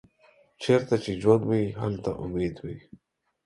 چیرته چې ژوند وي، هلته امید وي.